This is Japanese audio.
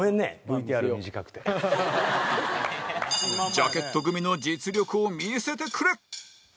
ジャケット組の実力を見せてくれ